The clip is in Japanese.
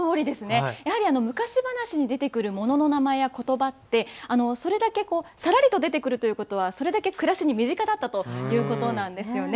やはり昔話に出てくるものの名前やことばってそれだけさらりと出てくるということはそれだけ暮らしに身近だったということなんですよね。